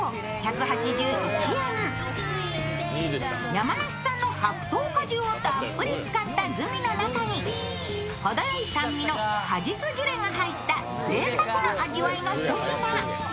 山梨産の白桃果汁をたっぷり使ったグミの中に程よい酸味の果実ジュレが入ったぜいたくな味わいのひと品。